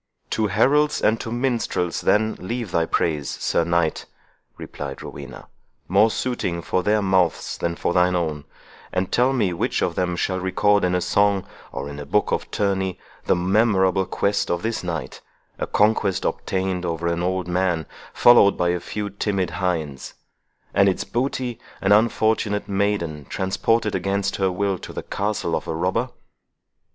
"To heralds and to minstrels, then, leave thy praise, Sir Knight," replied Rowena, "more suiting for their mouths than for thine own; and tell me which of them shall record in song, or in book of tourney, the memorable conquest of this night, a conquest obtained over an old man, followed by a few timid hinds; and its booty, an unfortunate maiden, transported against her will to the castle of a robber?"